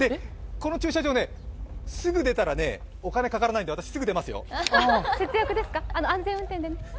この駐車場ね、すぐ出たらお金かからないんで、私すぐ出ますよ。